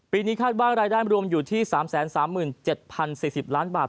นี้คาดว่ารายได้รวมอยู่ที่๓๓๗๐๔๐ล้านบาท